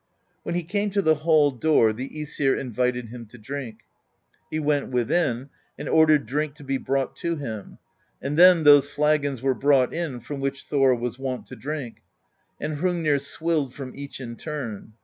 When he came to the hall door, the iEsir in vited him to drink. He went within and ordered drink to be brought to him, and then those flagons were brought in from which Thor was wont to drink; and Hrungnir swilled from each in turn.